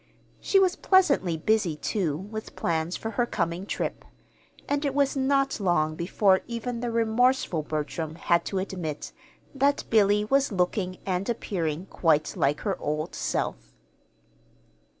She was pleasantly busy, too, with plans for her coming trip; and it was not long before even the remorseful Bertram had to admit that Billy was looking and appearing quite like her old self.